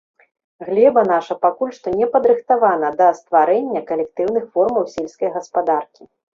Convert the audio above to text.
Глеба наша пакуль што не падрыхтавана да стварэння калектыўных формаў сельскай гаспадаркі.